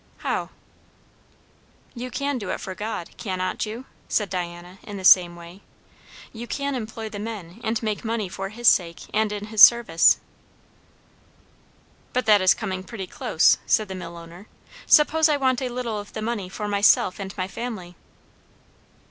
"How?" "You can do it for God, cannot you?" said Diana in the same way. "You can employ the men and make the money for his sake, and in his service." "But that is coming pretty close," said the millowner. "Suppose I want a little of the money for myself and my family?"